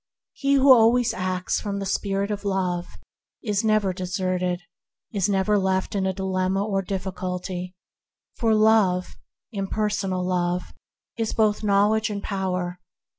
He who always acts from the spirit of Love is never deserted, is never left in a dilemma or difficulty, for Love— impersonal Love— is both Knowledge and Power.